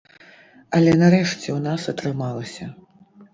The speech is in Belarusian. Але нарэшце ў нас атрымалася.